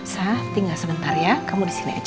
sa tinggal sebentar ya kamu disini aja